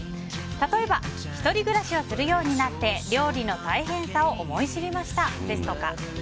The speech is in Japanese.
例えば、一人暮らしをするようになって料理の大変さを思い知りましたですとか